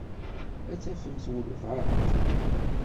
Ad tafemt walebɛaḍ.